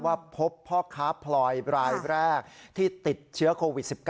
ว่าพบพ่อค้าพลอยรายแรกที่ติดเชื้อโควิด๑๙